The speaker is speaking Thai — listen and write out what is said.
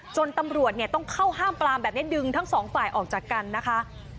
ตำรวจต้องเข้าห้ามปลามแบบนี้ดึงทั้งสองฝ่ายออกจากกันนะคะ